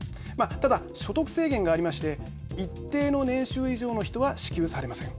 ただ、所得制限がありまして一定の年収以上の人は支給されません。